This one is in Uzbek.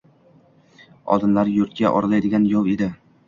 Oldinlari yurtga oralaydigan yov edi